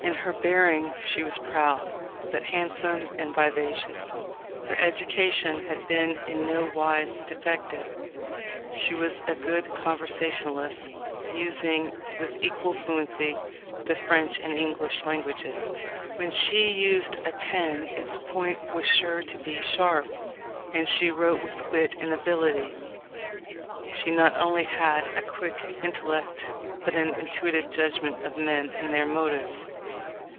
In her bearing she was proud, but handsome and vivacious. Her education had been in no wise defective; she was a good conversationalist, using with equal fluency the French and English lan guages. When she used a pen, its point was sure to be sharp, and she wrote with wit and ability. She not only had a quick intellect but an intuitive judg ment of men and their motives.